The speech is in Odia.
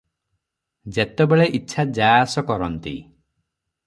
ଯେତେବେଳେ ଇଚ୍ଛା ଯା ଆସ କରନ୍ତି ।